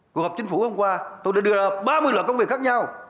cùng hợp chính phủ hôm qua tôi đã đưa ra ba mươi loại công việc khác nhau